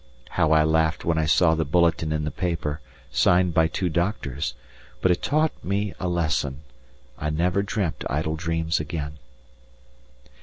How I laughed when I saw the bulletin in the paper, signed by two doctors, but it taught me a lesson; I never dreamt idle dreams again.